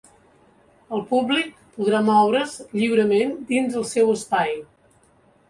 El públic podrà moure’s lliurement dins el seu espai.